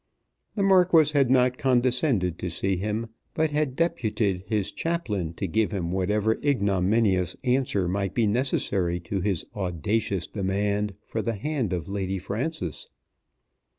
The Marquis had not condescended to see him, but had deputed his chaplain to give him whatever ignominious answer might be necessary to his audacious demand for the hand of Lady Frances.